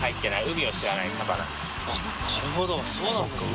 なるほどそうなんですね。